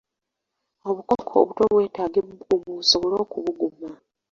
Obukoko obuto bwetaaga ebbugumu busobole okubuguma.